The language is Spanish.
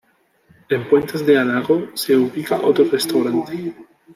En Puentes de Alagón se ubica otro restaurante.